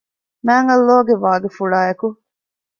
މާތް ﷲ ގެ ވާގިފުޅާއި އެކު